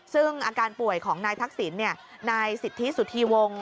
ซึ่งอาการป่วยของนายทักษิณนายสิทธิสุธีวงศ์